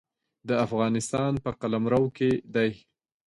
د افغانستان په قلمرو کې دی.